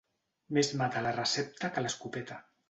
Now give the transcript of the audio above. Més mata la recepta que l'escopeta.